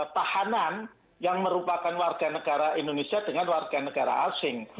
tahanan yang merupakan warganegara indonesia dengan warganegara asing